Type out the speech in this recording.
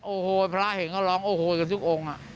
โอ้โหพระเห็นเขาร้องโอ้โหกันทุกองค์